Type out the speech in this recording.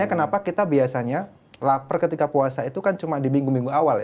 kenapa kita biasanya lapar ketika puasa itu kan cuma di minggu minggu awal ya